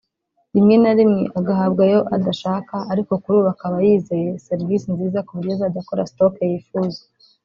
rimwe na rimwe agahabwa ayo adashaka ariko kuri ubu akaba yizeye Serivisi nziza kuburyo azajya akora “Stock” yifuza